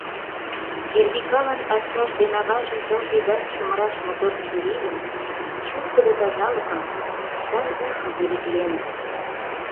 Эрвикалан ачаж ден аваже тылзе гай чумыраш мотор чурийым, чоткыдо тазалыкым, сай ушым пӧлекленыт.